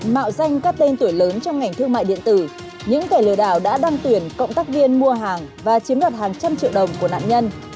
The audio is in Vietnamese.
mạo danh các tên tuổi lớn trong ngành thương mại điện tử những kẻ lừa đảo đã đăng tuyển cộng tác viên mua hàng và chiếm đoạt hàng trăm triệu đồng của nạn nhân